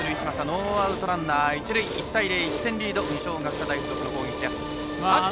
ノーアウトランナー、一塁１対０、１点リード二松学舎大付属の攻撃です。